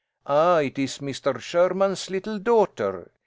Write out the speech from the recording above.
"Ah, it is Mr. Sherman's little daughter.